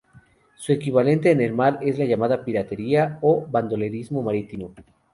Su equivalente en el mar es la llamada piratería o bandolerismo marítimo.